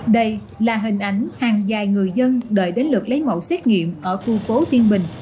đây là hình ảnh hàng dài người dân đợi đến lượt lấy mẫu xét nghiệm ở khu phố tiên bình